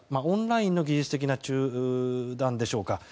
オンラインの技術的な中断でしょうか。